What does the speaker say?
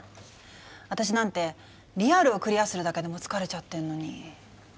私なんてリアルをクリアするだけでも疲れちゃってんのに。